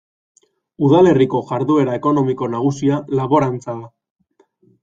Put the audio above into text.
Udalerriko jarduera ekonomiko nagusia laborantza da.